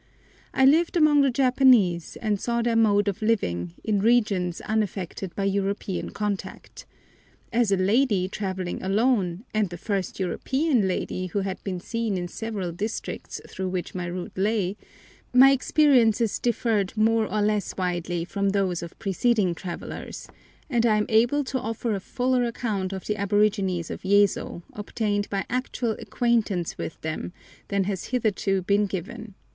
I lived among the Japanese, and saw their mode of living, in regions unaffected by European contact. As a lady travelling alone, and the first European lady who had been seen in several districts through which my route lay, my experiences differed more or less widely from those of preceding travellers; and I am able to offer a fuller account of the aborigines of Yezo, obtained by actual acquaintance with them, than has hitherto been given.